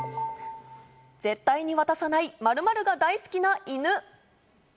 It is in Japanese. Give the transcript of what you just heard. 絶対に渡さない、〇〇が大好きな犬。